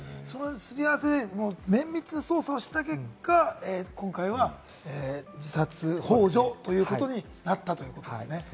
すり合わせて、綿密に捜査をした結果、今回は自殺ほう助ということになったということですね。